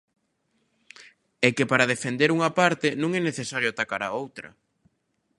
É que, para defender unha parte, non é necesario atacar a outra.